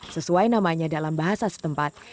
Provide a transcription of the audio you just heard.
sesuai namanya dalam bahasa setempat